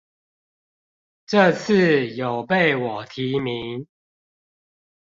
這次有被我提名